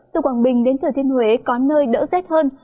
từ quảng bình đến thừa thiên huế có nơi đỡ rét hơn